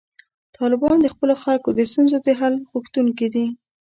طالبان د خپلو خلکو د ستونزو د حل غوښتونکي دي.